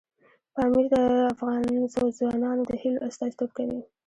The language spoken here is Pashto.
پامیر د افغان ځوانانو د هیلو استازیتوب کوي.